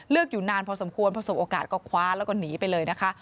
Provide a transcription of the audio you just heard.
อยู่นานพอสมควรพอสมโอกาสก็คว้าแล้วก็หนีไปเลยนะคะ